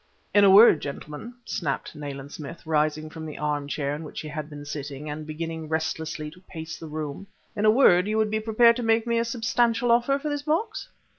"In a word, gentlemen," snapped Nayland Smith, rising from the arm chair in which he had been sitting, and beginning restlessly to pace the room, "in a word, you would be prepared to make me a substantial offer for this box?"